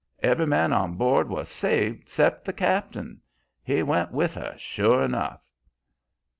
Every man on board was saved except the cap'n. He 'went with her,' sure enough.